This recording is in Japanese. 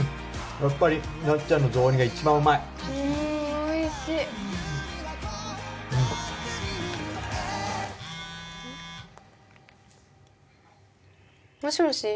やっぱりなっちゃんの雑煮が一番うまいうんおいしっもしもし？